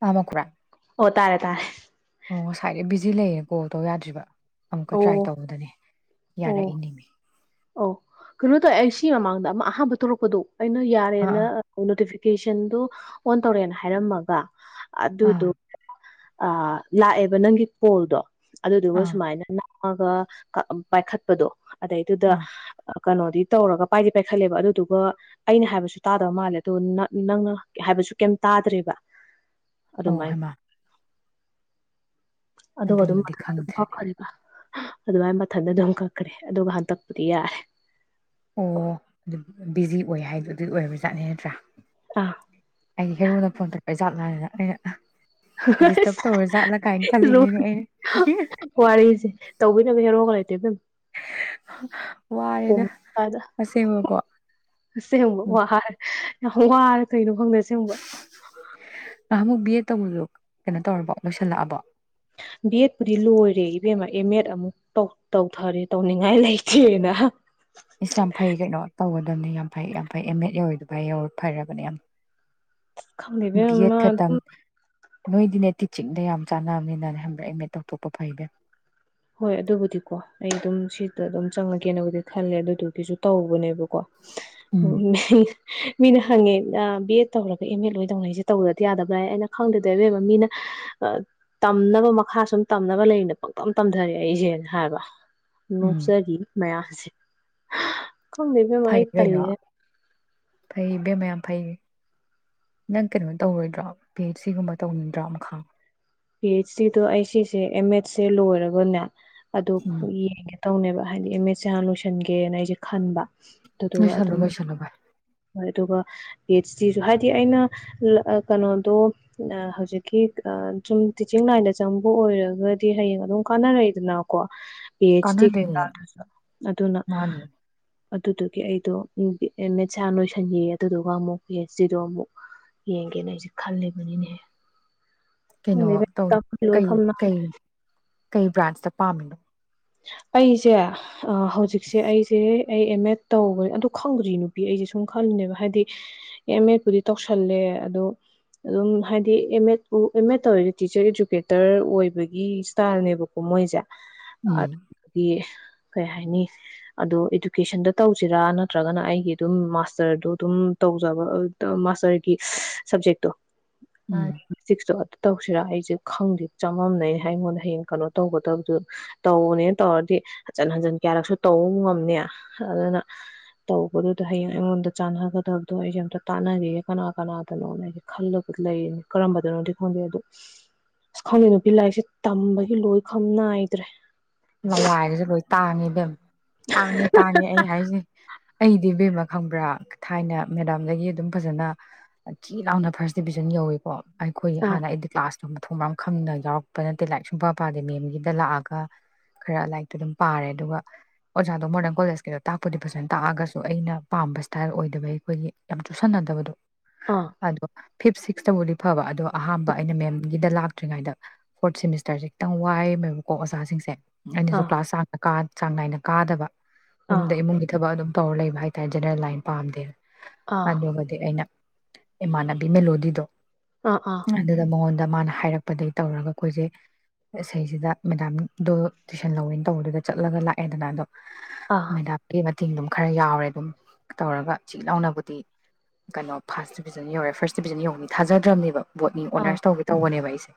ꯇꯥꯃꯛꯈ꯭ꯔꯥ ꯑꯣ ꯇꯥꯔꯦ ꯇꯥꯔꯦ ꯑꯣ ꯉꯁꯥꯏꯗꯩ ꯕꯤꯖꯤ ꯂꯩꯌꯦ ꯀꯣꯜ ꯇꯧ ꯌꯥꯗ꯭ꯔꯤꯕ ꯑꯃꯨꯛꯀ ꯇ꯭ꯔꯥꯏ ꯑꯣ ꯇꯧꯕꯗꯅꯦ ꯌꯥꯔꯛꯏꯅꯦꯃꯤ ꯑꯣ ꯀꯩꯅꯣ ꯇꯧꯋꯦ ꯑꯩ ꯁꯤ ꯃꯃꯥꯡꯗ ꯑꯃꯛ ꯑꯍꯥꯥꯟꯕ ꯇꯔꯛꯄꯗꯣ ꯑꯩꯅ ꯑꯥ ꯌꯥꯔꯦꯅ ꯑꯥ ꯅꯣꯇꯤꯐꯤ ꯀꯦꯁꯟꯗꯨ ꯑꯣꯟ ꯇꯧꯔꯦꯅ ꯍꯥꯏꯔꯝꯃꯒ ꯑꯗꯨꯗꯨ ꯑꯥ ꯑ ꯂꯥꯛꯑꯦꯕ ꯅꯪꯒꯤ ꯀꯣꯜꯗꯣ ꯑꯗꯨꯗꯨꯒ ꯑꯥ ꯁꯨꯃꯥꯏꯅ ꯑꯒ ꯄꯥꯏꯈꯠꯄꯗꯣ ꯑꯗꯩꯗꯨꯗ ꯑꯥ ꯀꯩꯅꯣꯗꯤ ꯇꯧꯔꯒ ꯄꯥꯏꯗꯤ ꯄꯥꯏꯈꯠꯂꯦꯕ ꯑꯗꯨꯗꯨꯒ ꯑꯩꯅ ꯍꯥꯏꯕꯁꯨ ꯇꯥꯗꯕ ꯃꯥꯜꯂꯦ ꯑꯗꯨ ꯅꯪꯅ ꯍꯥꯏꯕꯁꯨ ꯀꯩꯝ ꯇꯥꯗ꯭ꯔꯦꯕ ꯑꯣ ꯑꯗꯨꯃꯥꯏꯅ ꯍꯦꯃꯥ ꯑꯗꯨꯒ ꯑꯗꯨꯝ ꯈꯪꯗ꯭ꯔꯦ ꯑꯗꯨꯃꯥꯏ ꯃꯊꯟꯇ ꯑꯗꯨꯝ ꯀꯛꯈ꯭ꯔꯦ ꯑꯗꯨꯒ ꯍꯟꯗꯛ ꯔꯤꯌꯥ ꯑꯣ ꯑꯗꯨ ꯕꯤꯖꯤ ꯑꯣꯏ ꯍꯥꯏꯗꯣ ꯑꯗꯨꯒꯤ ꯑꯣꯏꯔꯕꯖꯥꯠꯅꯦ ꯅꯠꯇ꯭ꯔꯥ ꯑꯥ ꯑꯩꯗꯤ ꯍꯅ ꯐꯣꯟ ꯑꯩꯖꯥꯠ ꯅꯥꯅꯤꯅ ꯑꯩꯅ ꯗꯤꯁꯇꯔꯕ ꯑꯁ ꯇꯧꯔ ꯖꯥꯠꯂꯥ ꯀꯥꯏꯅ ꯈꯜꯂꯤꯅꯤꯅꯦ ꯑꯩꯅ ꯋꯥꯔꯤꯁꯦ ꯇꯧꯕꯤꯅꯕ ꯀ ꯍꯦꯔꯣꯒ ꯂꯩ ꯗ ꯑꯣ ꯋꯥꯔꯦꯗ ꯀꯥꯏꯗ ꯑꯁꯦꯡꯕꯀꯣ ꯑꯁꯦꯡꯕ ꯋꯔꯦ ꯑ ꯍ ꯋꯥꯔ ꯀꯩꯅꯣ ꯈꯪꯗꯁꯦꯡꯕ ꯅꯍꯥꯟꯃꯨꯛ ꯕꯤ ꯑꯦꯗ ꯇꯧꯕꯗꯨꯣ ꯀꯩꯅꯣ ꯇꯧꯔꯕꯣ ꯂꯣꯏꯁꯤꯜꯂꯛꯑꯕꯣ ꯕꯤ ꯑꯦꯠꯄꯨꯗꯤ ꯂꯣꯏꯔꯦ ꯏꯕꯦꯝꯃ ꯑꯦꯝ ꯑꯦꯗ ꯑꯃꯨꯛ ꯇꯧꯊꯔꯦ ꯇꯧꯅꯤꯡꯉꯥꯏ ꯂꯩꯇꯦꯅ ꯏꯁ ꯌꯥꯝ ꯐꯩ ꯀꯩꯅꯣ ꯇꯧꯒꯗꯕꯅꯤ ꯌꯥꯝ ꯐꯩ ꯌꯥꯝ ꯐꯩ ꯑꯦꯝ ꯑꯦꯗ ꯌꯧꯔꯤꯗꯨ ꯐ ꯌꯧ ꯐꯔꯕꯅꯦ ꯌꯥꯝ ꯕꯤ ꯑꯦꯗ ꯈꯪꯗꯕꯃꯥ ꯈꯇꯪ ꯅꯣꯏꯗꯤꯅꯦ ꯇꯤ ꯆꯤꯡꯗ ꯌꯥꯝ ꯆꯥꯟꯅꯕꯅꯤꯅꯅꯦ ꯍꯕ꯭ꯔꯥ ꯑꯦꯝ ꯑꯦꯠ ꯇꯧꯊꯣꯛꯄ ꯐꯩꯕ꯭ꯔ ꯍꯣꯏ ꯑꯗꯨꯕꯨꯗꯤꯀꯣ ꯑꯩ ꯑꯗꯨꯝ ꯁꯤꯗ ꯑꯗꯨꯝ ꯆꯪꯉꯒꯦꯅꯕꯨꯗꯤ ꯈꯜꯂꯦ ꯑꯗꯨꯗꯨꯒꯤꯁꯨ ꯇꯧꯕꯅꯦꯕ ꯀꯣ ꯎꯝ ꯎꯏ ꯃꯤꯅ ꯍꯪꯉꯦ ꯕꯤ ꯑꯦꯗ ꯇꯧꯔꯒ ꯑꯦꯝ ꯑꯦ ꯂꯣꯏ ꯇꯧꯅꯩꯁꯦ ꯇꯧꯗꯗꯤ ꯌꯥꯗꯕ꯭ꯔꯥ ꯍꯥꯏ ꯑꯩꯅ ꯈꯪꯗꯗꯕꯕ ꯃꯤꯅ ꯇꯝꯅꯕ ꯃꯈꯥ ꯁꯨꯝ ꯇꯝꯅꯕ ꯂꯩꯅ ꯄꯪꯇ ꯇꯝꯊꯔꯦ ꯑꯩꯁꯦꯅ ꯍꯥꯏꯕ ꯎꯝ ꯅꯣꯛꯆꯔꯤꯌꯦ ꯃꯌꯥꯝ ꯑꯥ ꯀꯗꯕ ꯑꯦꯅꯦꯝꯃꯥ ꯐꯩ ꯑꯩ ꯀꯩꯅꯣ ꯇꯂꯦꯔ ꯐꯩ ꯏꯕꯦꯝꯃ ꯌꯥꯝ ꯐꯩ ꯅꯪ ꯀꯩꯅꯣ ꯇꯧꯔꯣꯏꯗ꯭ꯔꯣ ꯄꯤ ꯑꯩꯩꯆ ꯁꯤꯒꯨꯝꯕ ꯇꯧꯅꯤꯡꯗ꯭ꯔꯣ ꯃꯈꯥ ꯄꯤ ꯑꯩꯆ ꯗꯣ ꯑꯩ ꯁꯤꯁꯦ ꯑꯦꯝ ꯑꯦꯗꯁꯦ ꯂꯣꯏꯔꯒꯅꯦ ꯑꯗꯨ ꯎꯝ ꯌꯦꯡꯒꯦ ꯇꯧꯅꯦꯕ ꯍꯥꯏꯗꯤ ꯑꯦꯝ ꯑꯦꯁꯦ ꯍꯟꯅ ꯂꯣꯏꯁꯟꯒꯦꯅ ꯑꯩꯁꯦ ꯈꯟꯕ ꯑꯗꯨꯒꯗꯨ ꯂꯣꯏꯁꯜꯂꯣ ꯑꯗꯨꯝ ꯂꯣꯏꯁꯜꯂꯣ ꯚꯥꯏ ꯑꯗꯨꯒ ꯄꯤ ꯑꯩꯆ ꯗꯤꯁꯨ ꯍꯥꯏꯗꯤ ꯑꯩꯅ ꯀꯩꯅꯣꯗꯣ ꯍꯧꯖꯤꯛꯀꯤ ꯁꯨꯝ ꯇꯤꯆꯤꯡ ꯂꯥꯏꯟꯗ ꯆꯪꯕ ꯑꯣꯏꯔꯒꯗꯤ ꯍꯌꯦꯡ ꯑꯗꯨꯝ ꯀꯥꯟꯅꯔꯛꯏꯗꯅꯀꯣ ꯄꯤ ꯑꯩꯆ ꯗꯤ ꯀꯥꯟꯅꯗꯣꯏꯅꯦ ꯀꯩꯀꯥꯗꯨꯁꯨ ꯑꯗꯨꯅ ꯃꯥꯅꯦ ꯑꯗꯨꯗꯨꯒꯤ ꯑꯩꯗꯣ ꯑꯦꯝ ꯑꯦꯠꯁ ꯅꯣꯏꯁꯤꯟꯒ ꯑꯗꯨꯗꯨꯒ ꯑꯃꯨꯛ ꯄꯤ ꯑꯦꯁꯇꯔꯤꯗꯣ ꯑꯃꯨꯛ ꯌꯦꯡꯒꯦꯅ ꯑꯩꯁꯦ ꯈꯜꯂꯤꯕꯅꯤꯅꯦꯍ꯫ ꯀꯩꯅꯣ ꯇꯧ ꯀꯩ ꯀꯩ ꯀꯩ ꯕ꯭ꯔꯥꯟꯁꯇ ꯄꯥꯝꯃꯤꯅꯣ ꯑꯩꯁꯦ ꯍꯧꯖꯤꯛꯁꯦ ꯑꯩꯁꯦ ꯑꯩ ꯑꯦꯝ ꯑꯦꯗ ꯇꯧꯕ ꯑꯗꯨ ꯈꯪꯗ꯭ꯔꯤ ꯅꯨꯄꯤ ꯑꯩꯁꯦ ꯁꯨꯝ ꯈꯜꯂꯨꯅꯦꯕ ꯍꯥꯏꯗꯤ ꯑꯦꯝ ꯑꯦꯗꯄꯨꯗꯤ ꯇꯧꯁꯜꯂꯦ ꯑꯗꯣ ꯑꯗꯨꯝ ꯍꯥꯏꯗꯤ ꯑꯦꯝ ꯑꯦꯗ ꯑꯦꯝ ꯑꯦꯗ ꯇꯧꯔꯤꯗꯤ ꯇꯤꯆꯔ ꯏꯗꯨꯀꯦꯇꯔ ꯑꯣꯏꯕꯒꯤ ꯏꯁꯇꯥꯏꯜꯅꯦꯕꯀꯣ ꯃꯣꯏꯁꯦ ꯎꯝ [unintelligible] ꯀꯩ ꯍꯥꯏꯅꯤ ꯑꯗꯣ ꯏꯗꯨꯀꯦꯁꯟꯗ ꯇꯧꯁꯤꯔꯥ ꯅꯠꯇ꯭ꯔꯒꯅ ꯑꯩꯒꯤ ꯑꯗꯨꯝ ꯃꯥꯁꯇꯔꯗꯣ ꯑꯗꯨꯝ ꯇꯧꯖꯕ ꯃꯥꯁꯇꯔꯒꯤ ꯁꯕꯖꯦꯛꯇꯣ ꯎꯝ [unintelligible] ꯇꯧꯁꯤꯔꯥ ꯑꯩꯁꯦ ꯈꯪꯗꯦ ꯆꯃꯝꯅꯩꯅ ꯑꯩꯉꯣꯟꯗ ꯍꯌꯦꯡ ꯀꯩꯅꯣ ꯇꯧꯒꯗꯕꯁꯨ ꯇꯧꯅꯦꯅ ꯇꯧꯔꯗꯤ ꯍꯟꯖꯤꯟ ꯍꯟꯖꯤꯟ ꯀꯌꯥꯔꯛꯁꯨ ꯇꯧꯕ ꯉꯝꯅꯤ ꯑꯗꯨꯅ ꯇꯧꯕꯗꯨꯗ ꯍꯌꯦꯡ ꯑꯩꯉꯣꯟꯗ ꯆꯥꯟꯅꯒꯗꯕꯗꯣ ꯑꯩꯁꯦ ꯑꯝꯇ ꯇꯥꯟꯅꯈꯤꯒꯦ ꯀꯅꯥ ꯀꯅꯥꯗꯅꯣꯅ ꯑꯩꯁꯦ ꯈꯜꯂꯒꯗꯤ ꯂꯩꯔꯤꯅꯤ ꯀꯔꯝꯕꯗꯅꯣꯗꯤ ꯈꯪꯗꯦ ꯑꯗꯨꯗ ꯑꯁ ꯈꯪꯗꯦ ꯅꯨꯄꯤ ꯂꯥꯏꯔꯤꯛꯁꯦ ꯇꯝꯕꯒꯤ ꯂꯣꯏ ꯈꯝ ꯅꯥꯏꯗ꯭ꯔꯦ ꯂꯦꯥꯏꯒꯁꯦ ꯂꯣꯏ ꯇꯥꯅꯤꯗ ꯇꯥꯡꯉꯦ ꯇꯥꯡꯉꯦ ꯑꯩ ꯍꯥꯏꯁ ꯑꯩꯗꯤ ꯏꯕꯦꯝꯃ ꯈꯪꯕ꯭ꯔꯥ ꯊꯥꯏꯅ ꯃꯦꯗꯥꯝꯗꯒꯤ ꯑꯗꯨꯝ ꯐꯖꯅ ꯆꯤ ꯂꯥꯎꯅ ꯐꯥꯔꯁ ꯗꯤꯕꯤꯖꯟ ꯌꯧꯏꯀꯣ ꯑꯩꯈꯣꯏ ꯑꯥ ꯍꯥꯟꯅ ꯑꯩꯗꯤ ꯀ꯭ꯂꯥꯁ ꯁꯨꯝ ꯊꯣꯡ ꯃꯌꯥꯝ ꯈꯪꯅ ꯌꯥꯎꯔꯛꯄ ꯅꯠꯇꯦ ꯂꯥꯏꯔꯤꯛ ꯁꯨꯡ ꯄ ꯄꯥꯗꯦ ꯃꯦꯝꯒꯤꯗ ꯂꯥꯛꯑꯒ ꯈꯔ ꯂꯥꯏꯔꯤꯛꯇ ꯑꯗꯨꯝ ꯄꯥꯔꯦ ꯑꯗꯨꯒ ꯑꯣꯖꯥꯗꯣ ꯃꯣꯗꯔꯟ ꯀꯣꯂꯦꯖꯀꯤꯗꯣ ꯇꯥꯛꯄꯨꯗꯤ ꯐꯖꯅ ꯇꯥꯛꯑꯒꯁꯨ ꯑꯩꯅ ꯄꯥꯝꯕ ꯏꯁꯇꯥꯏꯜ ꯑꯣꯏꯗꯕꯒꯤ ꯑꯩꯈꯣꯏꯒꯤ ꯌꯥꯝ ꯆꯨꯁꯟꯅꯗꯕꯗꯣ ꯑꯥ ꯑꯗꯣ ꯐꯤꯐ ꯁꯤꯛꯁꯇꯕꯨꯗꯤ ꯐꯕ ꯑꯗꯣ ꯑꯍꯥꯟꯕ ꯑꯩꯅ ꯃꯦꯝꯒꯤꯗ ꯂꯥꯛꯇ꯭ꯔꯤꯉꯩꯗ ꯐꯣꯔꯠ ꯁꯦꯃꯤꯁꯇꯔꯁꯦ ꯈꯤꯇꯪ ꯋꯥꯏꯔꯝꯃꯦꯕꯀꯣ ꯑꯣꯖꯥꯁꯤꯡꯁꯦ ꯑꯩꯅꯁꯨ ꯑꯥ ꯀ꯭ꯂꯥꯁ [unintelligible] ꯆꯥꯡ ꯅꯥꯏꯅ ꯀꯥꯗꯕ ꯑꯥ ꯌꯨꯝꯗ ꯏꯃꯨꯡꯒꯤ ꯊꯕꯛ ꯑꯗꯨꯝ ꯇꯧꯔ ꯂꯩꯕ ꯍꯥꯏꯇꯥꯔꯦ ꯖꯦꯅꯔꯦꯜ ꯂꯥꯏꯟ ꯄꯥꯝꯗꯦꯕ ꯑꯥ ꯑꯗꯨꯕꯨꯗꯤ ꯑꯩꯅ ꯏꯃꯥꯟꯕꯤ ꯃꯦꯂꯣꯗꯤꯗꯣ ꯑꯥ ꯑꯥ ꯑꯗꯨꯗ ꯃꯉꯣꯟ ꯑ ꯗ ꯃꯥꯅ ꯍꯥꯏꯔꯛꯄꯗꯒ ꯇꯧꯔꯒ ꯑꯩꯈꯣꯏꯁꯦ ꯏꯁꯩꯁꯤꯗ ꯃꯦꯗꯥꯝꯗꯣ ꯇꯨꯏꯁꯟ ꯂꯧꯋꯅ ꯇꯧꯕꯗꯨꯗ ꯆꯠꯂꯒ ꯂꯥꯛꯑꯦꯗꯅ ꯑꯗꯣ ꯑꯥ ꯃꯦꯗꯥꯝꯒꯤ [unintelligible] ꯑꯗꯨꯝ ꯈꯔ ꯌꯥꯎꯔꯦ ꯑꯗꯨꯝ ꯇꯧꯔꯒ ꯆꯤ ꯂꯥꯎꯅꯕꯨꯗꯤ ꯀꯩꯅꯣ ꯐꯥꯔꯁ ꯗꯤꯕꯤꯖꯟ ꯌꯧꯔꯦ ꯐꯥꯔꯁ ꯗꯤꯕꯤꯖꯟ ꯌꯧꯕꯅꯤ ꯊꯥꯖꯗ꯭ꯔꯕꯅꯦꯕ ꯕꯣꯠꯅꯤ ꯑꯥ ꯑꯣꯅꯔꯁ ꯇꯧꯒꯦ ꯇꯧꯕꯅꯦꯕ ꯑꯩꯁꯦ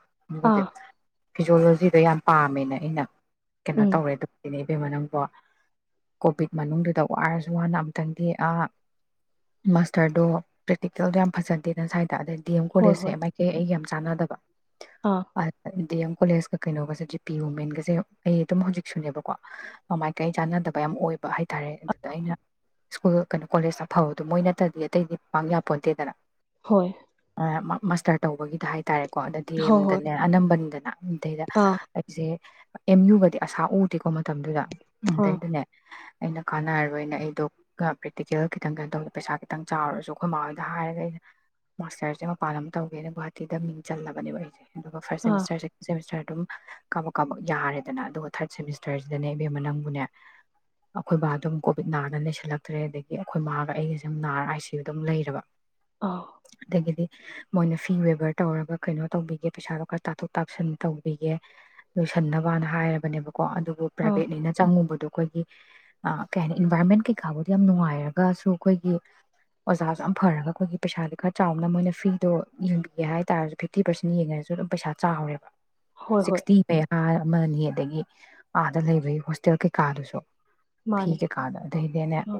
ꯑꯥ ꯐꯤꯖꯣꯂꯣꯖꯤꯗ ꯌꯥꯝ ꯄꯥꯝꯃꯦꯅ ꯑꯩꯅ ꯀꯩꯅꯣ ꯎꯝ ꯇꯧꯔꯦ ꯑꯗꯨꯅꯦ [unintelligible] ꯀꯣꯚꯤꯠ ꯃꯅꯨꯡꯗꯨꯗ ꯋꯥꯔꯁꯨ ꯋꯥꯅ ꯑꯃꯨꯇꯪꯗꯤ ꯃꯥꯁꯇꯔꯗꯣ ꯄ꯭ꯔꯦꯛꯇꯤꯀꯦꯜꯗꯣ ꯌꯥꯝ ꯐꯖꯗꯦ [unintelligible] ꯑꯗ ꯗꯤ ꯑꯦꯝ ꯍꯣꯏ ꯍꯣꯏ ꯀꯣꯂꯖꯁꯦ ꯃꯥꯏꯀꯩ ꯑꯩꯒꯤ ꯌꯥꯝ ꯆꯥꯟꯅꯗꯕ ꯑꯥ [unintelligible] ꯀꯣꯂꯦꯖꯀ ꯀꯩꯅꯣꯒꯁꯦ ꯖꯤꯄꯤ ꯋꯨꯃꯦꯟꯒꯁꯦ ꯑꯩ ꯑꯗꯨꯝ ꯍꯧꯖꯤꯛꯁꯨꯅꯦꯕꯀꯣ ꯃꯃꯥꯏꯀꯩ ꯆꯥꯟꯅꯗꯕ ꯌꯥꯝ ꯑꯣꯏꯕ ꯍꯥꯏ ꯇꯥꯔꯦ ꯑꯗꯨꯗ ꯑꯩꯅ ꯁ꯭ꯀꯨꯜ ꯀꯩꯅꯣ ꯀꯣꯂꯦꯖꯇ ꯐꯕꯗꯣ ꯃꯣꯏ ꯅꯠꯇ꯭ꯔꯗꯤ ꯑꯇꯩꯗꯤ ꯄꯥꯛ ꯌꯥꯄꯣꯟꯇꯦꯗꯅ ꯍꯣꯏ ꯃꯁꯇꯔ ꯇꯧꯕꯒꯤꯗ ꯍꯥꯏꯇꯥꯔꯦꯀꯣ ꯑꯗ ꯗꯤ ꯍꯣꯏ ꯍꯣꯏ ꯑꯦꯝꯗꯅꯦ ꯑꯅꯝꯕꯅꯤꯗꯅ ꯑꯗꯩꯗ ꯑꯥ ꯑꯩꯁꯦ ꯑꯦꯝ ꯌꯨꯒꯗꯤ ꯑꯁꯥ ꯎꯗꯦꯀꯣ ꯃꯇꯝꯗꯨꯗ ꯑꯥ ꯑꯗꯩꯗꯨꯅꯦ ꯑꯩꯅ ꯀꯥꯟꯅꯔꯔꯣꯏꯅ ꯑꯩꯗꯣ ꯄ꯭ꯔꯦꯛꯇꯤꯀꯦꯜ ꯈꯤꯇꯪ ꯀꯩꯅꯣ ꯇꯧꯗꯦ ꯄꯩꯁꯥ ꯈꯤꯇꯪ ꯆꯥꯎꯔꯁꯨ ꯑꯩꯈꯣꯏ ꯃꯥꯃꯥ ꯍꯣꯏꯗ ꯍꯥꯏꯔꯒ ꯑꯩꯅ ꯃꯥꯁꯇꯔꯁꯦ ꯃꯄꯥꯟ ꯑꯃ ꯇꯧꯒꯦꯅ ꯒꯨꯍꯥꯇꯤꯗ ꯃꯤꯡ ꯆꯜꯂꯕꯅꯦꯕ ꯑꯩꯁꯦ ꯑꯗꯨꯒ ꯐꯥꯔꯁ ꯑꯥ ꯁꯦꯃꯤꯁꯇꯔ ꯁꯦꯀꯦꯟ ꯁꯦꯃꯦꯁꯇꯔ ꯑꯗꯨꯝ ꯀꯥꯕꯛ ꯀꯥꯕꯛ ꯌꯥꯔꯦ ꯐꯖꯅ ꯑꯗꯨꯒ ꯊꯥꯔꯠ ꯁꯦꯃꯤꯁꯇꯔꯁꯤꯗꯅꯦ ꯏꯕꯦꯝꯃꯅꯪꯕꯨꯅꯦ ꯑꯩꯈꯣꯏ ꯕꯥ ꯑꯗꯨꯝ ꯀꯣꯚꯤꯠ ꯅꯥꯗꯅ ꯂꯩꯁꯜꯂꯛꯇ꯭ꯔꯦ ꯑꯗꯒꯤ ꯑꯩꯈꯣꯏ ꯃꯥꯕꯥꯒ ꯑꯩꯒꯁꯦ ꯅꯥꯔ ꯑꯥꯏ ꯁꯤ ꯌꯨ ꯑꯗꯨꯝ ꯂꯩꯔꯕ ꯑꯥ ꯑꯗꯒꯤꯗꯤ ꯃꯣꯏꯅ ꯐꯤ ꯋꯦꯕꯔ ꯇꯧꯔꯒ ꯀꯩꯅꯣ ꯇꯧꯕꯤꯒꯦ ꯄꯩꯁꯥꯗꯣ ꯈꯔ ꯇꯥꯊꯣꯛ ꯇꯥꯁꯤꯟ ꯇꯧꯕꯤꯒꯦ ꯂꯣꯏꯁꯟꯅ ꯕꯥ ꯍꯥꯏꯔꯕꯅꯦꯕ ꯀꯣ ꯑꯗꯨꯕꯨ ꯑꯥ ꯄ꯭ꯔꯥꯏꯕꯦꯠꯅꯤꯅ ꯆꯪꯉꯨꯕꯗꯣ ꯑꯩꯈꯣꯏꯒꯤ ꯀꯩ ꯍꯥꯏꯅꯤ ꯏꯟꯚꯥꯏꯔꯣꯟꯃꯦꯟ ꯀꯩꯀꯥꯕꯨꯗꯤ ꯌꯥꯝ ꯅꯨꯡꯉꯥꯏꯔꯒꯁꯨ ꯑꯩꯈꯣꯏꯒꯤ ꯑꯣꯖꯥꯁꯨ ꯌꯥꯝ ꯐꯔꯒ ꯑꯩꯈꯣꯏꯒꯤ ꯄꯩꯁꯥꯗꯤ ꯈꯔ ꯆꯥꯎꯕꯅ ꯃꯣꯏꯅ ꯐꯤꯗꯣ ꯌꯦꯡꯕꯤꯒꯦ ꯍꯥꯏꯇꯥꯥꯔꯁꯨ ꯐꯤꯐꯇꯤ ꯄꯥꯔꯁꯦꯟ ꯌꯦꯡꯉꯒꯁꯨ ꯑꯗꯨꯝ ꯄꯩꯁꯥ ꯆꯥꯎꯔꯦꯕ ꯍꯣꯏ ꯍꯣꯏ ꯁꯤꯛꯁꯇꯤ ꯑꯃꯅꯤ ꯑꯗꯒꯤ ꯑꯥꯗ ꯂꯩꯕꯒꯤ ꯍꯣꯁꯇꯦꯜ ꯀꯩꯀꯥꯗꯨꯁꯨ ꯐꯤ ꯃꯥꯅꯦ ꯀꯩꯀꯥꯗ ꯑꯗꯩꯗꯤꯅꯦ ꯑꯥ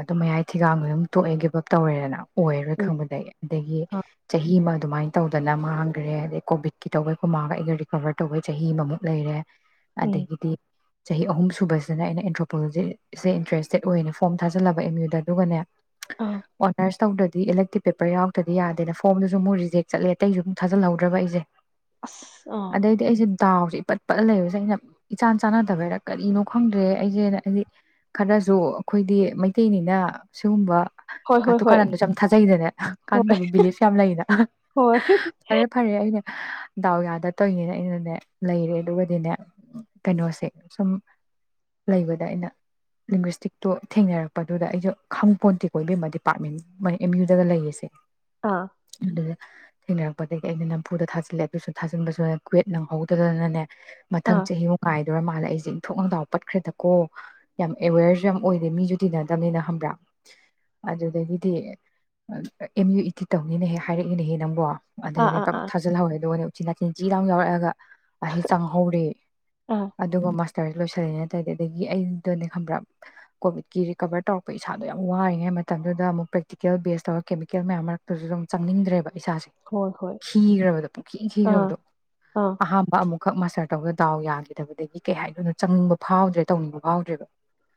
ꯑꯗꯨ ꯃꯌꯥꯏ ꯊꯤꯒꯥꯡꯗ ꯑꯗꯨꯝ ꯇꯣꯛꯑꯦ ꯒꯤꯕ ꯑꯞ ꯇꯧꯔꯦꯗꯅ ꯑꯣꯏꯔꯔꯣꯏ ꯎꯝ ꯈꯪꯕꯗꯒꯤ ꯑꯗꯒꯤ ꯑꯥ ꯆꯍꯤ ꯑꯗꯨꯃꯥꯏꯅ ꯇꯧꯗꯅ ꯃꯥꯡꯈ꯭ꯔꯦ ꯑꯗꯩ ꯀꯣꯚꯠꯀꯤ ꯇꯧꯕꯩ ꯑꯈꯣꯏ ꯃꯥꯥꯒ ꯑꯩꯒ ꯔꯤꯀꯣꯕꯔ ꯇꯧꯕꯩ ꯆꯍꯤ ꯑꯃꯃꯨꯛ ꯂꯩꯔꯦ ꯎꯝ ꯑꯗꯒꯤꯗꯤ ꯆꯍꯤ ꯑꯍꯨꯝ ꯁꯨꯕꯁꯤꯅ ꯑꯩꯅ ꯑꯦꯟꯊ꯭ꯔꯣꯄꯣꯂꯣꯖꯤꯁꯦ ꯏꯟꯇꯔꯦꯁꯇꯦꯠ ꯑꯣꯏꯌꯦꯅꯦ ꯐꯣꯔꯝ ꯊꯥꯖꯤꯜꯂꯕ ꯑꯦꯝ ꯌꯨꯗ ꯑꯗꯨꯒꯅꯦ ꯑꯥ ꯑꯣꯅꯔꯁ ꯇꯧꯗ꯭ꯔꯗꯤ ꯏꯂꯦꯛꯇꯤꯛ ꯄꯦꯄꯔ ꯌꯥꯎꯗꯔꯗꯤ ꯌꯥꯗꯦꯅ ꯐꯣꯝꯗꯁꯨ ꯑꯃꯨ ꯔꯤꯖꯦꯛ ꯆꯠꯂꯦ ꯑꯇꯩꯁꯨ ꯑꯃꯨꯠ ꯊꯥꯖꯤꯜꯍꯧꯗ꯭ꯔꯕ ꯑꯩꯁꯦ ꯑꯁ ꯑꯥ ꯑꯗꯩꯗꯤ ꯑꯩꯁꯦ ꯇꯥꯎꯔꯤ ꯄꯠ ꯄꯠꯂ ꯂꯩꯕꯁꯦ ꯑꯩꯅ ꯏꯆꯥꯟ ꯆꯥꯟꯅꯗꯕꯩꯔ ꯀꯔꯤꯅꯣ ꯈꯪꯗ꯭ꯔꯦ ꯑꯩꯁꯦꯅ ꯍꯥꯏꯗꯤ ꯈꯔꯁꯨ ꯑꯩꯈꯣꯏꯗꯤ ꯃꯩꯇꯩꯅꯤꯅ ꯁꯤꯒꯨꯝꯕ ꯍꯣꯏ ꯍꯣꯏ ꯀꯥꯇꯨ ꯍꯣꯏ ꯀꯥꯔꯟꯗꯁꯨ ꯌꯥꯝ ꯊꯥꯖꯩꯗꯅꯦ ꯍꯣꯏ ꯀꯥꯟꯗꯕ [unintelligible] ꯌꯥꯝ ꯂꯩꯅ ꯍꯣꯏ ꯐꯔꯦ ꯐꯔꯦ ꯑꯩꯅ ꯗꯥꯎ ꯌꯥꯗ ꯇꯧꯏꯅꯦꯅ ꯑꯩꯅꯅꯦ ꯂꯩꯔꯦ ꯑꯗꯨꯒꯗꯤꯅꯦ ꯀꯩꯅꯣꯁꯦ ꯁꯨꯝ ꯂꯩꯕꯗ ꯑꯩꯅ ꯂꯤꯡꯒ꯭ꯋꯁꯇꯤꯛꯇꯣ ꯊꯦꯡꯅꯔꯛꯄꯗꯨꯗ ꯑꯩꯖꯨ ꯈꯥꯡꯄꯣꯟꯇꯦꯀꯣ ꯏꯕꯦꯝꯃꯥ ꯗꯤꯄꯥꯔꯠꯃꯦꯟ ꯑꯦꯝ ꯌꯨꯗꯒ ꯂꯩꯌꯦꯁꯦ ꯑꯥ ꯑꯗꯨ ꯊꯦꯡꯅꯔꯛꯄꯗꯒꯤ ꯑꯩꯅ ꯅꯝꯐꯨꯗ ꯊꯥꯖꯤꯜꯂꯦ ꯑꯗꯨꯁꯨ ꯊꯥꯖꯤꯟꯕꯁꯨ ꯀ꯭ꯋꯦꯠ ꯅꯪꯍꯧꯗꯗꯅꯅꯦ ꯃꯊꯪ ꯑꯥ ꯆꯍꯤ ꯃꯨ ꯉꯥꯏ ꯗꯣꯔꯥ ꯃꯥꯜꯂꯦ ꯑꯩꯁꯦ ꯏꯟꯊꯣꯛꯅꯥ ꯗꯎ ꯄꯠꯈ꯭ꯔꯦꯗꯀꯣ ꯌꯥꯝ ꯑꯦꯋꯦꯌꯔꯁꯨ ꯌꯥꯝ ꯑꯣꯏꯗꯦ ꯃꯤꯁꯨ ꯇꯤꯟꯅꯗꯥꯃꯤꯅ ꯈꯪꯕ꯭ꯔꯥ ꯑꯗꯨꯗꯒꯤꯗꯤ ꯑꯦꯝ ꯌꯨ ꯏ ꯇꯤ ꯇꯧꯅꯤꯅ ꯍꯦꯛ ꯍꯥꯏꯔꯛꯑꯦꯅꯦꯍꯦ ꯅꯪꯕꯣ ꯑꯥ ꯑꯗꯨꯗꯩꯅꯦ ꯑꯥ ꯄꯞ ꯑꯥ ꯊꯥꯖꯤꯜꯍꯧꯔꯦ ꯅꯥꯆꯤꯟ ꯆꯤ ꯂꯎ ꯌꯥꯎꯔꯛꯑꯒ ꯆꯪꯍꯧꯔꯦ ꯑꯥ ꯑꯗꯨꯒ ꯇꯔ ꯂꯣꯏꯁꯤꯜꯂꯤꯅꯦ ꯑꯗꯒꯤ ꯑꯩꯗꯅꯦ ꯈꯪꯕꯔ ꯀꯣꯕꯤꯠꯀꯤ ꯔꯤꯀꯕꯔ ꯇꯧꯔꯛꯄ ꯏꯁꯥꯗꯣ ꯌꯥꯝ ꯋꯥꯔꯤꯉꯩ ꯃꯇꯝꯗꯨꯗ ꯑꯃꯨꯛ ꯄ꯭ꯔꯦꯛꯇꯤꯀꯦꯜ ꯕꯦꯖ ꯇꯧꯔ ꯀꯦꯃꯤꯀꯦꯜ ꯃꯌꯥꯝ ꯃꯔꯛꯇꯨꯁꯨ ꯑꯗꯨꯝ ꯆꯪꯅꯤꯡꯗ꯭ꯔꯦꯕ ꯏꯁꯥꯁꯦ ꯍꯣꯏ ꯍꯣꯏ ꯈꯤꯈ꯭ꯔꯕꯗꯣ ꯄꯨꯨꯡꯈꯤ ꯑꯥ ꯈꯤꯈ꯭ꯔꯕꯗꯣ ꯑꯥ ꯑꯍꯥꯝꯕ ꯑꯃꯨꯛ ꯈꯛ ꯃꯥꯁꯇꯔ ꯇꯧꯕꯗꯥ ꯗꯥꯎ ꯌꯥꯈꯤꯗꯕꯗꯒꯤ ꯀꯩ ꯍꯥꯏꯗꯅꯣ ꯆꯪꯅꯤꯡꯕ ꯐꯥꯎꯗ꯭ꯔꯦ ꯇꯧꯅꯤꯡꯕ ꯐꯥꯎꯗ꯭ꯔꯦꯕ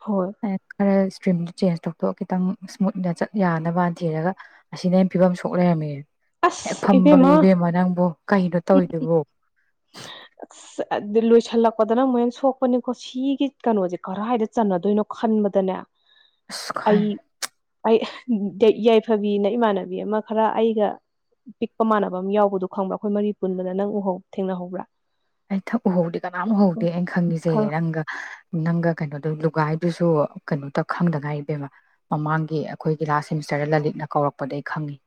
ꯍꯣꯏ ꯑꯦ ꯈꯔ ꯇ꯭ꯔꯤꯝꯗꯨ ꯆꯦꯟꯖ ꯇꯧꯊꯣꯛꯑ ꯈꯤꯇꯪ ꯁ꯭ꯃꯨꯠꯅ ꯆꯠ ꯌꯥꯅꯕ ꯊꯤꯔꯒ ꯑꯁꯤꯅ ꯐꯤꯕꯝ ꯁꯣꯛ ꯂꯩꯔꯝꯃꯦꯌꯦ ꯍꯦꯛ ꯐꯝꯕꯒ ꯏꯕꯦꯝꯃ ꯅꯪꯕꯨ ꯀꯩꯅꯣ ꯇꯧꯋꯤꯗꯨꯕꯨ ꯑꯁ ꯂꯣꯏꯁꯤꯜꯂꯛꯄꯗꯅ ꯑꯃꯨꯛ ꯍꯦꯟꯅ ꯁꯣꯛꯄꯅꯤꯀꯣ ꯁꯤꯒꯤ ꯀꯩꯅꯣꯁꯦ ꯀꯔꯏꯗ ꯆꯅꯗꯣꯏꯅꯣ ꯈꯟꯕꯗꯅꯦ ꯑꯁ ꯑꯩ ꯈꯥꯏ ꯑꯩ ꯌꯥꯏꯐꯕꯤꯅ ꯏꯃꯥꯟꯅꯕꯤ ꯑꯃ ꯈꯔ ꯑꯩꯒ ꯄꯤꯛꯄ ꯃꯥꯟꯅꯕ ꯑꯃ ꯌꯥꯎꯕꯗꯣ ꯈꯪꯕꯔꯥ ꯑꯩꯈꯣꯏ ꯃꯔꯤ ꯄꯨꯟꯕꯗ ꯅꯪ ꯎꯍꯧ ꯊꯦꯡꯅꯍꯧꯕꯔꯥ ꯑꯩ ꯊꯛ ꯎꯍꯧꯗꯦ ꯀꯅꯥꯝ ꯎꯍꯧꯗꯦ ꯑꯩꯅ ꯈꯪꯉꯤꯁꯦ ꯑꯣ ꯅꯪꯒ ꯅꯪꯒ ꯀꯩꯅꯣꯗꯣ ꯂꯨꯒꯥꯏꯗꯨꯁꯨ ꯀꯩꯅꯣꯇ ꯈꯪꯗ ꯉꯥꯏꯔꯤ ꯏꯕꯦꯝꯕ ꯃꯃꯥꯡꯒꯤ ꯑꯩꯈꯣꯏꯒꯤ ꯂꯥꯁ ꯁꯦꯃꯤꯁꯇꯔꯗ ꯂꯂꯤꯠꯅ ꯀꯧꯔꯛꯄꯗꯩ ꯈꯪꯉꯤ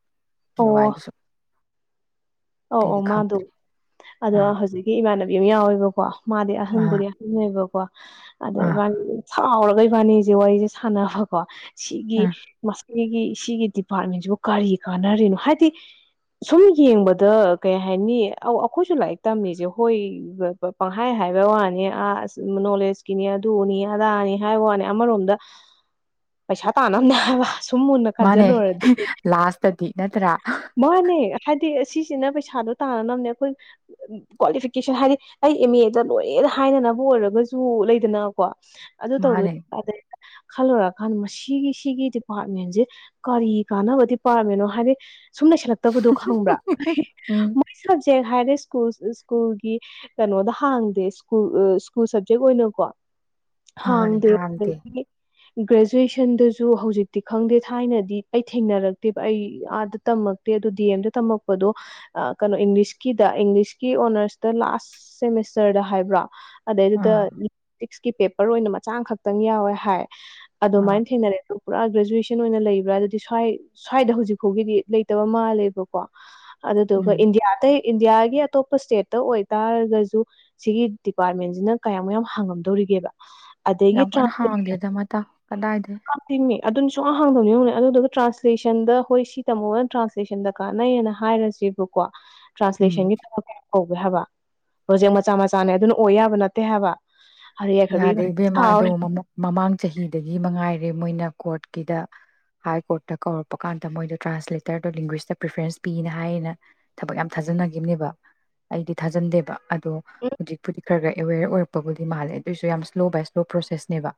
ꯋꯥꯏꯗꯨꯁꯨ ꯑꯎ ꯑꯎ ꯃꯥꯗꯣ ꯑꯗꯣ ꯑꯥ ꯍꯧꯖꯤꯛꯀꯤ ꯏꯃꯥꯟꯅꯕꯤ ꯌꯥꯝ ꯌꯥꯎꯋꯦꯕꯀꯣ ꯃꯥꯗꯤ ꯑꯥ ꯑꯍꯟꯕꯨꯗꯤ ꯑꯍꯟꯅꯦꯕꯀꯣ ꯑꯗ ꯑꯥ ꯑꯥ ꯏꯕꯥꯟꯅꯤꯖꯦ ꯁꯥꯎꯔꯒ ꯏꯕꯥꯅꯤꯖꯦ ꯋꯥꯔꯤꯁꯦ ꯁꯥꯟꯅꯕꯀꯣ ꯁꯤꯒꯤ ꯁꯤꯒꯤ ꯁꯤꯒꯤ ꯗꯤꯄꯥꯔꯠꯃꯦꯟꯁꯤꯕꯨ ꯀꯔꯤ ꯀꯥꯟꯅꯔꯤꯅꯣ ꯍꯥꯏꯗꯤ ꯁꯨꯝ ꯌꯦꯡꯕꯗ ꯗ ꯀꯩ ꯍꯥꯏꯅꯤ ꯑꯩꯈꯣꯏꯁꯨ ꯂꯥꯏꯔꯤꯛ ꯇꯝꯃꯤꯁꯦ ꯍꯣꯏ ꯄꯪꯍꯥꯏ ꯍꯥꯏꯕ ꯋꯥꯅꯤ ꯑꯁ ꯅꯣꯂꯦꯖꯀꯤꯅꯤ ꯑꯗꯨꯅꯤ ꯑꯗꯥꯅꯤ ꯍꯥꯏꯕ ꯋꯥꯅꯤ ꯑꯃꯔꯣꯝꯗ ꯄꯩꯁꯥ ꯇꯥꯟꯅꯃꯦ ꯍꯥꯏꯕ ꯁꯨꯝ ꯃꯨꯟꯅ ꯃꯥꯅꯦ ꯈꯟꯖꯤꯜꯂꯨꯔꯗꯤ ꯂꯥꯁꯇꯗꯤ ꯅꯠꯇ꯭ꯔꯥ ꯁꯤꯁꯤꯅ ꯄꯩꯁꯥꯗꯣ ꯇꯥꯟꯅꯝꯅꯦ ꯑꯩꯈꯣꯏ ꯀ꯭ꯋꯥꯂꯤꯐꯤꯀꯦꯁꯟ ꯍꯥꯏꯗꯤ ꯑꯩ ꯑꯦꯝ ꯑꯦꯗ ꯂꯣꯏꯔꯦꯅ ꯍꯥꯏꯅꯅꯕ ꯑꯣꯏꯔꯒꯁꯨ ꯂꯩꯗꯅꯀꯣ ꯑꯗꯨ ꯇꯧꯗꯣꯏ ꯃꯥꯅꯦ ꯑꯗꯩꯩꯗ ꯈꯜꯂꯨꯔ ꯃꯁꯤꯒꯤ ꯁꯤꯒꯤ ꯗꯤꯄꯥꯔꯠꯃꯦꯟꯁꯦ ꯀꯔꯤ ꯀꯥꯟꯅꯕ ꯗꯤꯄꯥꯔꯠꯃꯦꯟꯅꯣ ꯍꯥꯏꯗꯤ ꯁꯨꯝ ꯂꯩ ꯁꯤꯜꯂꯛꯇꯕꯗꯣ ꯈꯪꯕ꯭ꯔꯥ ꯎꯝ ꯃꯣꯏ ꯁꯕꯖꯦꯛ ꯍꯥꯢꯔꯦ ꯨꯁꯀ꯭ꯨꯜ ꯁ꯭ꯀꯨꯜꯒꯤ ꯀꯩꯅꯣꯗ ꯍꯥꯡꯗꯦ ꯁꯀ꯭ꯨꯜ ꯁ꯭ꯀꯨꯜ ꯁꯕꯖꯦꯛ ꯑꯣꯏꯅꯀꯣ ꯍꯥꯡꯗꯦ ꯒ꯭ꯔꯦꯖꯨꯑꯦꯁꯟꯗꯁꯨ ꯍꯧꯖꯤꯛꯇꯤ ꯈꯪꯗꯦ ꯊꯥꯏꯅꯗꯤ ꯑꯩ ꯊꯦꯡꯅꯔꯛꯇꯦꯕ ꯑꯩ ꯑꯥꯗ ꯇꯝꯃꯛꯇꯦ ꯑꯗꯨ ꯗꯤ ꯑꯦꯝꯗ ꯇꯝꯃꯛ ꯄꯗꯣ ꯏꯪꯂꯤꯁꯀꯤꯗ ꯏꯪꯂꯤꯁꯀꯤ ꯑꯣꯅꯔꯁꯇ ꯂꯥꯁ ꯁꯦꯃꯤꯁꯇꯔꯗ ꯍꯥꯏꯕ꯭ꯔꯥ ꯑꯗꯩꯗꯨꯗ ꯑꯥ ꯇꯤꯛꯁꯀꯤ ꯄꯦꯄꯔ ꯑꯣꯏꯅ ꯃꯆꯥ ꯈꯛꯇꯪ ꯌꯥꯎꯋꯦ ꯍꯥꯏ ꯑꯥ ꯑꯗꯨꯃꯥꯏꯅ ꯊꯦꯡꯅꯔꯦ ꯄꯨꯔꯥ ꯒ꯭ꯔꯦꯖꯨꯋꯦꯁꯟ ꯑꯣꯏꯅ ꯂꯩꯕ꯭ꯔꯥ ꯑꯗꯨꯗꯤ ꯁ꯭ꯋꯥꯏ ꯁ꯭ꯋꯥꯏꯗ ꯍꯧꯖꯤꯛ ꯐꯥꯎꯒꯤꯗꯤ ꯂꯩꯇꯕ ꯃꯥꯜꯂꯦꯕꯀꯣ ꯑꯗꯨꯗꯨꯒ ꯎꯝ ꯏꯟꯗꯤꯌꯥ ꯑꯇꯩ ꯏꯟꯗꯤꯌꯥꯒꯤ ꯑꯇꯣꯞꯄ ꯏꯁꯇꯦꯠꯇ ꯑꯣꯏꯇꯥꯔꯒꯁꯨ ꯁꯤꯒꯤ ꯗꯤꯄꯥꯔꯠꯃꯦꯟꯁꯤꯅ ꯀꯌꯥꯃꯨꯛ ꯌꯥꯝ ꯍꯥꯡꯉꯝꯗꯧꯔꯤꯒꯦꯕ ꯑꯗꯒꯤ ꯌꯥꯝ ꯀꯟꯅ ꯇ꯭ꯔꯥꯟ ꯍꯥꯡꯗꯦꯗ ꯃꯇꯥ ꯀꯗꯥꯥꯏꯗꯩꯩ ꯇꯤꯡꯅꯤ ꯑꯗꯨꯅ ꯁꯨꯡꯍꯥꯡ ꯍꯥꯡꯗꯕꯅꯤꯅꯦ ꯑꯗꯨꯗꯨꯒ ꯇ꯭ꯔꯥꯟꯁꯂꯦꯁꯟꯗ ꯍꯣꯏ ꯁꯤ ꯇꯝꯃꯣꯒꯅ ꯇ꯭ꯔꯥꯟꯁꯂꯦꯁꯟꯗ ꯀꯥꯟꯅꯩꯅ ꯍꯥꯏꯔꯁꯦꯕꯀꯣ ꯎꯝ ꯇ꯭ꯔꯥꯟꯁꯂꯦꯁꯟꯒꯤ ꯊꯕꯥ ꯀꯧꯒꯦ ꯍꯥꯏꯕ ꯄ꯭ꯔꯣꯖꯦꯛ ꯃꯆꯥ ꯃꯆꯥꯅꯦ ꯑꯗꯨꯅ ꯑꯣꯏ ꯌꯥꯕ ꯅꯠꯇꯦ ꯍꯥꯏꯕ ꯍꯥꯏꯔꯦ ꯌꯥꯏꯐꯕꯤ ꯌꯥꯗꯦ ꯚꯥꯏ ꯏꯕꯦꯝꯃ ꯑꯗꯣ ꯁꯥꯎꯔꯦ ꯃꯃꯥꯡ ꯆꯍꯤꯗꯒꯤ ꯃꯉꯥꯏꯔꯦ ꯃꯣꯏꯅ ꯀꯣꯔꯠꯀꯤꯗ ꯍꯥꯏ ꯀꯣꯔꯠꯇ ꯀꯧꯔꯛꯄ ꯀꯥꯟꯗ ꯃꯣꯏꯗꯣ ꯇ꯭ꯔꯥꯟꯁꯂꯦꯇꯔꯗꯣ ꯂꯦꯡꯒ꯭ꯋꯦꯁꯇ ꯄ꯭ꯔꯤꯐꯔꯦꯟꯁ ꯄꯤꯅ ꯍꯥꯏꯌꯦꯅ ꯊꯕꯛ ꯌꯥꯝ ꯊꯥꯖꯤꯟꯅꯈꯤꯕꯅꯦꯕ ꯑꯩꯗꯤ ꯊꯥꯖꯟꯗꯦꯕ ꯑꯗꯣ ꯎꯝ ꯍꯧꯖꯤꯛꯄꯨꯗꯤ ꯈꯔ ꯈꯔ ꯑꯦꯋꯦꯔ ꯑꯣꯏꯔꯛꯄꯕꯨꯗꯤ ꯃꯥꯜꯂꯦ ꯑꯗꯨꯁꯨ ꯌꯥꯝꯅ ꯁ꯭ꯂꯣ ꯕꯥꯏ ꯁ꯭ꯂꯣ ꯄ꯭ꯔꯣꯁꯦꯁꯅꯦꯕ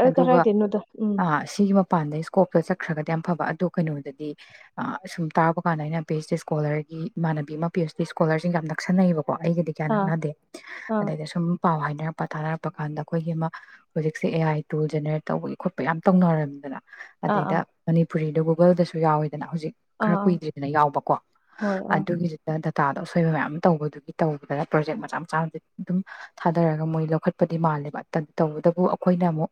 ꯑꯗꯨ ꯈꯔ ꯑꯗꯨꯒ ꯀꯔꯥꯏꯗꯩꯩꯅꯣꯗ ꯎꯝ ꯑ ꯁꯤꯒꯤ ꯃꯄꯥꯟꯗꯩ ꯁ꯭ꯀꯣꯞꯇ ꯆꯠꯈ꯭ꯔꯒꯗꯤ ꯌꯥꯝ ꯐꯕ ꯑꯗꯣ ꯀꯩꯅꯣꯗꯗꯤ ꯁꯨꯝ ꯇꯥꯔꯕ ꯀꯥꯟꯗ ꯑꯩꯅ ꯄꯤ ꯑꯩꯆ ꯗꯤ ꯁ꯭ꯀꯣꯂꯔꯒꯤ ꯏꯃꯥꯟꯅꯕꯤ ꯑꯃ ꯄꯤ ꯑꯩꯆ ꯗꯤ ꯁ꯭ꯀꯣꯂꯔꯁꯤꯡꯒ ꯌꯥꯝ ꯅꯛꯁꯟꯅꯩꯌꯦꯕꯀꯣ ꯀꯣ ꯑꯩꯒꯗꯤ ꯀꯌꯥ ꯑꯥ ꯅꯛꯅꯗꯦ ꯑꯥ ꯑꯗꯩꯗ ꯁꯨꯝ ꯄꯥꯎ ꯍꯥꯏꯅꯔ ꯄꯥꯊꯥ ꯄꯀꯥꯟꯗ ꯑꯩꯈꯣꯏꯒꯤ ꯑꯃ ꯍꯧꯖꯤꯛꯁꯦ ꯑꯦ ꯑꯥꯏ ꯇꯨꯜ ꯖꯦꯅꯦꯔꯦꯠ ꯇꯧꯕꯒꯤ ꯈꯣꯠꯄꯒꯤ ꯌꯥꯝ ꯇꯧꯅꯔꯝꯗꯅ ꯑꯥ ꯑꯥ ꯑꯗꯩꯗ ꯃꯅꯤ ꯄꯨꯔꯤꯗ ꯒꯨꯒꯜꯗꯁꯨ ꯌꯥꯎꯋꯦ ꯍꯧꯖꯤꯛ ꯑꯥ ꯈꯔ ꯑꯥ ꯀꯨꯏꯗ꯭ꯔꯤꯗꯅ ꯌꯥꯎꯕꯀꯣ ꯍꯣꯏ ꯑꯥ ꯑꯗꯨꯒꯤꯖꯤ ꯇꯥꯗ ꯑꯁꯣꯏꯕ ꯃꯌꯥꯝ ꯑꯃ ꯇꯧꯕꯗꯨꯒꯤ ꯇꯧꯕꯗꯅ ꯄ꯭ꯔꯣꯖꯦꯛ ꯃꯆꯥ ꯃꯆꯥ ꯑꯗꯨꯝ ꯊꯥꯗꯔꯒ ꯃꯣꯏ ꯂꯧꯈꯠ ꯠꯄꯗꯤ ꯃꯥꯜꯂꯦꯕ ꯇꯧꯕꯇꯕꯨ ꯑꯩꯈꯣꯏꯅ ꯑꯃꯨꯛ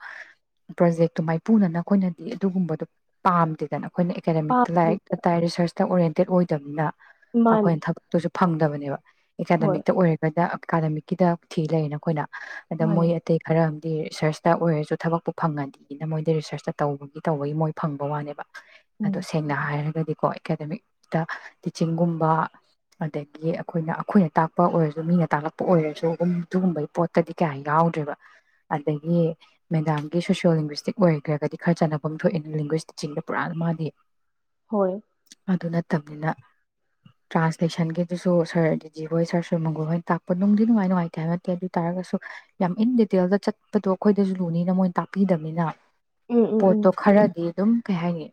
ꯄ꯭ꯔꯣꯖꯦꯛꯇꯨ ꯃꯥꯏꯄꯨꯅꯅ ꯑꯩꯈꯣꯏꯅꯗꯤ ꯑꯗꯨꯒꯨꯝꯕꯗꯣ ꯄꯥꯝꯗꯦꯗꯅ ꯑꯩꯈꯣꯏꯅ ꯑꯦꯀꯥꯗꯃꯤꯛꯇ ꯄꯥꯝꯗꯤ ꯂꯥꯏꯔꯤꯛꯇ ꯇꯥꯏ ꯔꯤꯁꯔꯁꯇ ꯎꯔꯦꯟ ꯇꯦꯠ ꯑꯣꯏꯗꯕꯅꯤꯅ ꯃꯥꯅꯤ ꯑꯩꯈꯣꯏꯅ ꯊꯕꯛꯇꯨꯁꯨ ꯐꯪꯗꯕꯅꯤ ꯍꯣꯏ ꯑꯦꯀꯥꯗꯃꯤꯛꯇ ꯑꯣꯏꯔꯒꯗ ꯑꯦꯀꯥꯗꯃꯤꯛꯀꯤꯗ ꯊꯤ ꯂꯩꯌꯦꯅ ꯑꯩꯈꯣꯏꯅ ꯑꯗ ꯃꯣꯏ ꯃꯥꯅꯦ ꯑꯇꯩ ꯈꯔ ꯍꯥꯏꯗꯤ ꯔꯤꯁꯔꯁꯇ ꯑꯣꯏꯔꯁꯨ ꯊꯕꯛꯄꯨ ꯐꯪꯉꯗꯤꯅ ꯃꯣꯏꯗ ꯔꯤꯁꯔꯁꯇ ꯇꯧꯕꯒꯤ ꯇꯧꯕꯒꯤ ꯃꯣꯏ ꯐꯪꯕ ꯋꯥꯅꯦꯕ ꯑꯗꯨ ꯎꯝ ꯁꯦꯡꯅ ꯍꯥꯏꯔꯒꯗꯤ ꯀꯣ ꯑꯦꯀꯥꯗꯃꯤꯛꯇ ꯇꯤꯆꯤꯡꯒꯨꯝꯕ ꯑꯗꯒꯤ ꯑꯩꯈꯣꯏꯅ ꯑꯩꯈꯣꯏꯅ ꯇꯥꯛꯄ ꯑꯣꯏꯔꯖꯨ ꯃꯤꯅ ꯇꯥꯛꯂꯛꯄ ꯑꯣꯏꯔꯖꯨ ꯑꯗꯨꯒꯨꯝꯕꯩ ꯄꯣꯠꯇꯗꯤ ꯀꯌꯥ ꯌꯥꯎꯗ꯭ꯔꯦꯕ ꯑꯗꯒꯤ ꯃꯦꯗꯥꯝꯒꯤ ꯁꯣꯁ꯭ꯌꯣ ꯂꯦꯡꯒ꯭ꯋꯁꯇꯤꯛ ꯑꯣꯏꯈ꯭ꯔꯒꯗꯤ ꯈꯔ ꯆꯥꯟꯅꯐꯝ ꯊꯣꯛꯑꯦ ꯂꯦꯡꯒ꯭ꯋꯁꯇꯤꯛꯆꯤꯡꯗ ꯄꯨꯔꯥ ꯃꯥꯗꯤ ꯍꯣꯏ꯫ ꯅꯠꯇꯃꯤꯅ ꯇ꯭ꯔꯥꯟꯁꯂꯦꯁꯟꯒꯤꯗꯨꯁꯨ ꯁꯥꯔ ꯗꯤ ꯖꯤ ꯍꯣꯏ ꯁꯥꯔ ꯁꯨꯔ ꯃꯪꯒꯣꯜ ꯍꯣꯏ ꯇꯥꯛꯄ ꯅꯨꯡꯗꯤ ꯅꯨꯡꯉꯥꯏ ꯅꯨꯡꯉꯥꯏꯇꯦ ꯍꯥꯏꯕ ꯅꯠꯇꯦ ꯑꯗꯨ ꯑꯣꯏ ꯇꯥꯔꯒꯁꯨ ꯌꯥꯝ ꯏꯟ ꯗꯤꯇꯦꯜꯗ ꯆꯠꯄꯗꯣ ꯑꯩꯈꯣꯏꯗꯁꯨ ꯂꯨꯅꯤꯅ ꯃꯣꯏ ꯇꯥꯛꯄꯤꯗꯕꯃꯤꯅ ꯎꯝ ꯎꯝ ꯎꯝ ꯄꯣꯠꯇꯣ ꯈꯔꯗꯤ ꯑꯗꯨꯝ ꯀꯩ ꯍꯥꯏꯅꯤ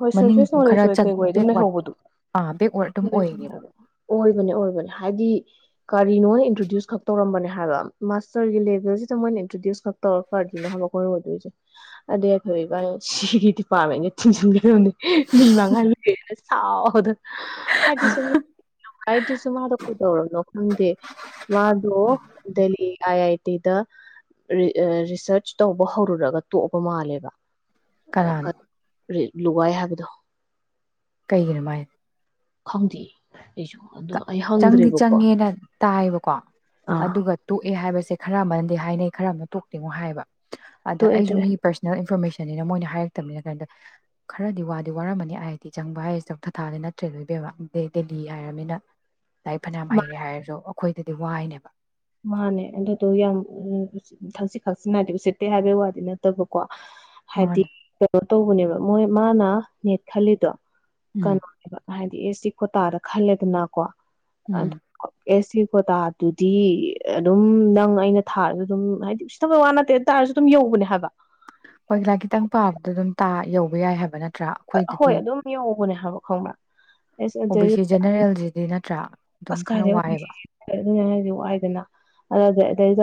ꯍꯣꯏ ꯃꯅꯤꯡ ꯁꯔꯐꯦꯁ ꯈꯔ ꯅꯣꯂꯦꯖ ꯑꯣꯏ ꯀꯩ ꯑꯣꯢ ꯑꯗꯨꯝ ꯕꯦꯛꯋꯥꯔꯗ ꯂꯩꯍꯧꯕꯗꯣ ꯑꯥ ꯕꯦꯛꯋꯥꯔꯗ ꯑꯗꯨꯝ ꯑꯣꯏꯌꯦꯕ [unintelligible] ꯑꯣꯏꯕꯅꯦ ꯑꯣꯏꯕꯅꯦ ꯍꯥꯏꯗꯤ ꯀꯔꯤꯅꯣꯅ ꯏꯟꯇ꯭ꯔꯣꯗ꯭ꯌꯨꯁ ꯈꯛ ꯇꯧꯔꯝꯕꯅꯦ ꯍꯥꯏꯕ ꯃꯥꯁꯇꯔꯒꯤ ꯂꯦꯚꯦꯜꯁꯤꯗ ꯃꯣꯏꯅ ꯏꯟꯇ꯭ꯔꯣꯗ꯭ꯌꯨꯁ ꯈꯛ ꯇꯧꯔ ꯀꯔꯤꯅꯣ ꯍꯥꯏꯕ ꯑꯩꯈꯣꯏ ꯑꯣꯢꯗꯣꯏꯁꯦ ꯑꯗꯩ ꯑꯩꯈꯣꯏ ꯏꯕꯥ ꯁꯤꯒꯤ ꯗꯤꯄꯥꯔꯠꯃꯦꯟ ꯊꯤꯡꯖꯟ ꯗꯨꯅꯤ ꯃꯤ ꯃꯥꯡꯍꯟꯒꯦꯅꯖꯨ ꯁꯥꯎꯕꯗ ꯍꯥꯏꯗꯤ ꯁꯤꯒꯤ [unintelligible] ꯃꯥꯗꯣ ꯀꯩꯗꯧꯔꯕꯅꯣ ꯈꯪꯗꯦ ꯃꯥꯗꯣ ꯗꯜꯂꯤ ꯑꯥꯏ ꯑꯥꯏ ꯇꯤꯗ ꯔꯤꯁꯔꯁ ꯇꯧꯕ ꯍꯧꯔꯨꯔꯒ ꯇꯣꯛꯑꯕ ꯃꯥꯜꯂꯦꯕ ꯀꯅꯥꯅꯣ꯫ [unintelligible] ꯂꯨꯒꯥꯏ ꯍꯥꯏꯕꯗꯣ꯫ ꯀꯩꯒꯤꯅꯣ ꯃꯥꯏ ꯈꯪꯗꯦ ꯑꯩꯁꯨ ꯑꯗꯣ ꯑꯩ ꯆꯪꯗꯤ ꯍꯪꯗ꯭ꯔꯦꯕꯀꯣ ꯆꯪꯉꯦꯅ ꯇꯥꯏꯑꯦꯕꯀꯣ ꯑꯥ ꯑꯗꯨꯒ ꯇꯣꯛꯑꯦ ꯍꯥꯏꯕꯁꯦ ꯈꯔ ꯑꯃꯗꯤ ꯍꯥꯏꯅꯩ ꯈꯔ ꯑꯃꯇ ꯇꯣꯛꯇꯦꯉꯣ ꯍꯥꯏꯕ ꯑꯗ ꯇꯣꯛꯑꯦ ꯑꯩꯁꯨ ꯇꯣꯛꯑꯦ ꯃꯤꯒꯤ ꯄꯔꯁꯣꯅꯦꯜ ꯏꯟꯐꯣꯔꯃꯦꯁꯟ ꯅꯤꯅ ꯃꯣꯏꯅ ꯍꯥꯏꯔꯛꯇꯕꯅꯤꯅ ꯀꯝꯇ ꯈꯔꯗꯤ ꯋꯥꯗꯤ ꯋꯥꯔꯝꯃꯅꯤ ꯑꯥꯏ ꯑꯥꯏ ꯇꯤ ꯆꯪꯕ ꯍꯥꯏꯁꯦ [unintelligible] ꯑꯗꯩ ꯗꯦꯜꯂꯤ ꯍꯥꯏꯔꯃꯤꯅ ꯂꯥꯏꯛ ꯐꯅꯌꯥꯝ ꯍꯩꯔꯦ ꯍꯥꯏꯔꯁꯨ ꯑꯣ ꯑꯩꯈꯣꯏꯗꯗꯤ ꯋꯥꯏꯅꯦꯕ ꯃꯥꯅꯦ ꯑꯗꯨꯗꯣ ꯌꯥꯝ ꯎꯝ ꯊꯛꯁꯤ ꯈꯥꯁꯤ ꯅꯥꯏꯗꯦ ꯎꯁꯤꯠꯇꯦ ꯍꯥꯏꯕꯩ ꯋꯥꯗꯤ ꯅꯠꯇꯕꯀꯣ ꯍꯥꯏꯗꯤ ꯃꯥꯅꯦ [unintelligible] ꯇꯧꯕꯅꯦꯕ ꯃꯣꯏ ꯃꯥꯅ ꯅꯦꯠ ꯈꯜꯂꯤꯗꯣ ꯎꯝ ꯀꯅꯥ [unintelligible] ꯍꯥꯏꯗꯤ ꯑꯦꯁ ꯇꯤ ꯀꯣꯠꯇꯥꯥꯗ ꯈꯜꯂꯦꯗꯅ ꯀꯣ ꯎꯝ ꯑꯗ [inaudible] ꯑꯦꯁ ꯁꯤ ꯀꫭꯇ ꯗꯨꯗꯤ ꯑꯗꯨꯝ ꯅꯪ ꯑꯩꯅ ꯊꯥꯔꯁꯨ ꯑꯗꯨꯝ ꯍꯥꯏꯗꯤ ꯑꯨꯁꯤꯠꯇꯕ ꯋꯥ ꯅꯠꯇꯦ ꯑꯗꯨ ꯑꫭꯏꯇꯥꯔꯖꯨ ꯑꯗꯨꯝ ꯌꯧꯕꯅꯦ ꯍꯥꯏꯕ ꯍꯣꯏ ꯂꯥꯏꯔꯤꯛ ꯈꯤꯇꯪ ꯄꯥꯕꯗ ꯑꯗꯨꯝ ꯄ ꯌꯧꯕ ꯌꯥꯏ ꯍꯥꯏꯕ ꯅꯠ ꯍꯣꯏ ꯑꯗꯨꯝ ꯌꯧꯕꯅꯦ ꯌꯥꯎꯕ ꯈꯪꯕ꯭ꯔ ꯑꯦꯁ ꯑꯣ ꯑꯗꯨ ꯕꯤ ꯁꯤ ꯖꯦꯅꯔꯦꯜꯁꯤꯗꯤ ꯅꯠꯇ꯭ꯔꯥ ꯑꯗꯨꯝ ꯑꯁ ꯈꯔ ꯀꯥꯏꯗꯩ ꯑꯣꯏ ꯋꯥꯏꯑꯦꯕ ꯑꯗꯨ ꯍꯥꯏꯗꯤ ꯋꯥꯏꯗꯅ ꯑꯗꯨꯗ [unintelligible]